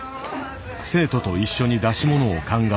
生徒と一緒に出し物を考え